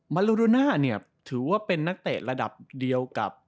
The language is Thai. โลดูน่าเนี่ยถือว่าเป็นนักเตะระดับเดียวกับ